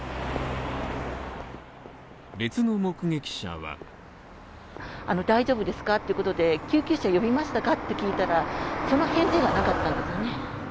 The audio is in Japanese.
別の目撃者は大丈夫ですかっていうことで、救急車呼びましたかって聞いたらその返事がなかったんですよね。